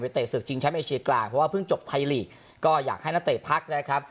เตะศึกชิงแชมป์เอเชียกลางเพราะว่าเพิ่งจบไทยลีกก็อยากให้นักเตะพักนะครับ